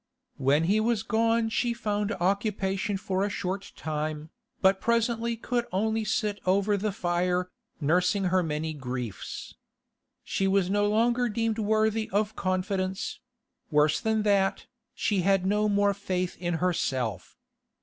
When he was gone she found occupation for a short time, but presently could only sit over the fire, nursing her many griefs. She was no longer deemed worthy of confidence; worse than that, she had no more faith in herself.